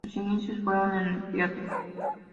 Sus inicios fueron en el teatro.